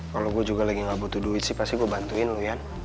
kalo gue juga lagi ga butuh duit sih pasti gue bantuin lo yan